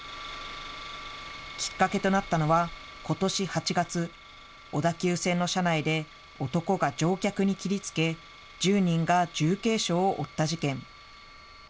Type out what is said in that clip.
きっかけとなったのは、ことし８月、小田急線の車内で、男が乗客に切りつけ、１０人が重軽傷を負った事件。